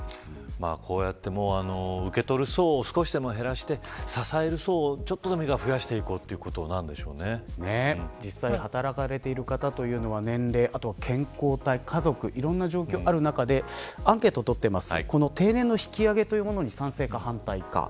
こうやって受け取る層を少しでも減らして支える層をちょっとでもいいから増やしていこう実際働かれている方というのは年齢、健康、家族いろんな状況がある中でアンケートをとっています。